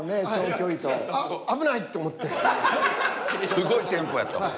すごいテンポやったもん。